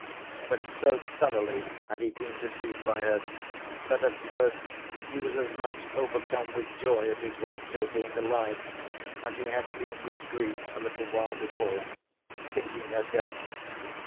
But so thoroughly had he been deceived by her, that at first he was as much overcome with joy at his wife still being alive, as he had been with grief a little while before, thinking her dead.